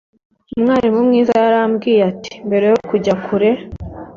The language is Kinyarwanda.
Umwarimu mwiza yarambwiye ati Mbere yo kujya kure